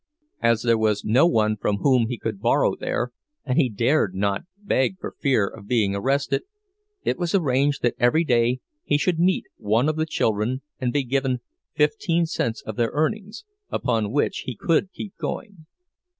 As there was no one from whom he could borrow there, and he dared not beg for fear of being arrested, it was arranged that every day he should meet one of the children and be given fifteen cents of their earnings, upon which he could keep going.